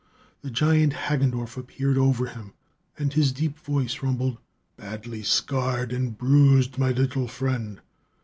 The giant Hagendorff appeared over him, and his deep voice rumbled: "Badly scarred and bruised, my little friend!